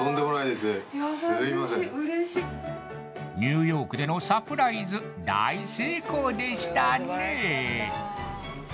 すいませんニューヨークでのサプライズ大成功でしたね